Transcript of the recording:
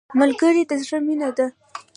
ملګری د زړه مینه ده